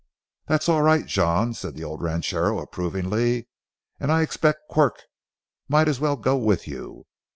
"That's all right, John," said the old ranchero approvingly, "and I expect Quirk might as well go with you.